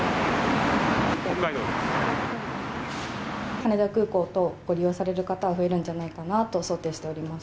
羽田空港等をご利用される方は増えるんじゃないかと想定しております。